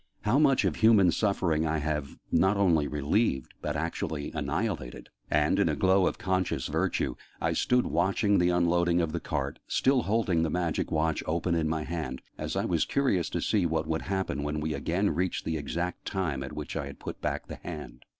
"How much of human suffering I have not only relieved, but actually annihilated!" And, in a glow of conscious virtue, I stood watching the unloading of the cart, still holding the Magic Watch open in my hand, as I was curious to see what would happen when we again reached the exact time at which I had put back the hand.